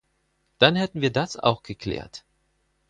Dann hätten wir das auch geklärt.